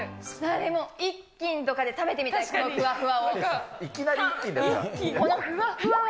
でも１斤とかで食べてみたい、このふわふわを。